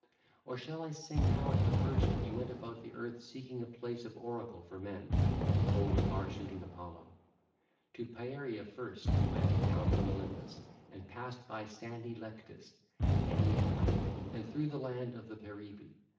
Or shall I sing how at the first you went about the earth seeking a place of oracle for men, O far shooting Apollo? To Pieria first you went down from Olympus and passed by sandy Lectus and Enienae and through the land of the Perrhaebi.